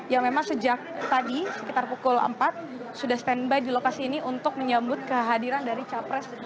yang memang sejak tadi sekitar pukul empat sudah standby di lokasi ini untuk menyambut kehadiran dari capres